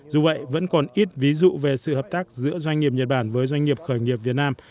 dù vậy vẫn còn ít ví dụ về sự hợp tác giữa doanh nghiệp nhật bản với doanh nghiệp khởi nghiệp việt nam